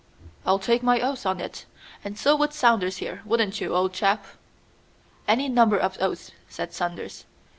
"I'll take my oath on it, and so would Saunders here; wouldn't you, old chap?" "Any number of oaths," said Saunders.